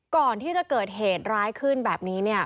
ก่อนที่จะเกิดเหตุร้ายขึ้นแบบนี้เนี่ย